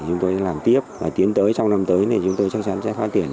chúng tôi làm tiếp và tiến tới trong năm tới thì chúng tôi chắc chắn sẽ phát triển